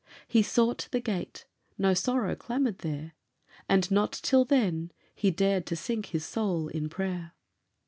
He sought the gate no sorrow clamoured there And, not till then, he dared to sink his soul in prayer.